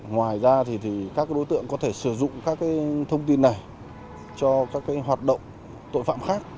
ngoài ra thì các đối tượng có thể sử dụng các thông tin này cho các hoạt động tội phạm khác